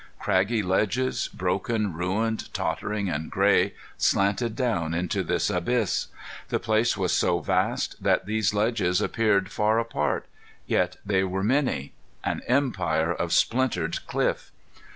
Craggy ledges, broken, ruined, tottering and gray, slanted down into this abyss. The place was so vast that these ledges appeared far apart, yet they were many. An empire of splintered cliff!